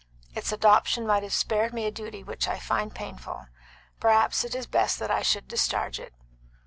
Its adoption might have spared me a duty which I find painful. But perhaps it is best that I should discharge it.